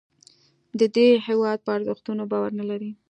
دی د هیواد په ارزښتونو باور نه لري